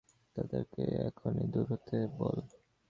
তাদেরকে এখনি দূর হতে বল।